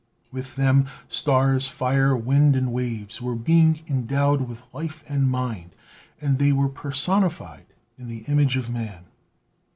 With them stars, fire, wind and waves were beings endowed with life and mind, and they were personified in the image of man.